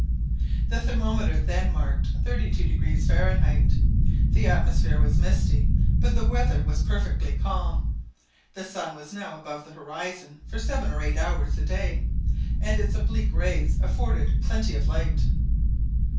The thermometer then marked 32° Fahrenheit. The atmosphere was misty, but the weather was perfectly calm. The sun was now above the horizon for seven or eight hours a day, and its oblique rays afforded plenty of light.